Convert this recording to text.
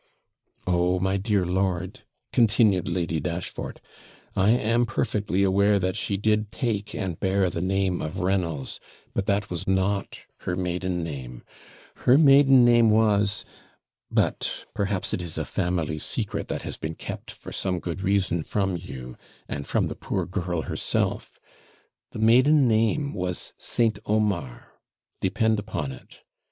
'Oh, my dear lord,' continued Lady Dashfort; 'I am perfectly aware that she did take and bear the name of Reynolds; but that was not her maiden name her maiden name was; but perhaps it is a family secret that has been kept, for some good reason from you, and from the poor girl herself; the maiden name was St. Omar, depend upon it.